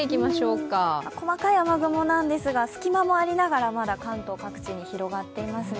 細かい雨雲なんですが、隙間がありながらも関東各地にありますね。